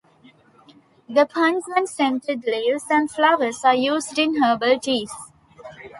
The pungent, scented leaves and flowers are used in herbal teas.